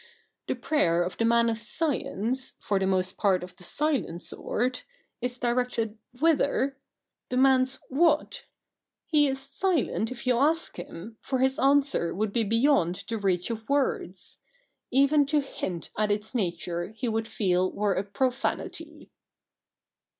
The prayer of the man of science, for the most part of the silent sort, is directed whither? de mands what ? He is silent if you ask him, for his answer would be beyond the reach of words. Even to hint at its nature he would feel were a profanity.'